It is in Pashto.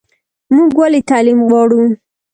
موږ ولې تعلیم غواړو؟